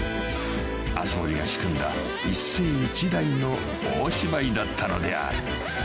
［熱護が仕組んだ一世一代の大芝居だったのである］